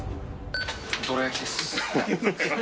どら焼きです。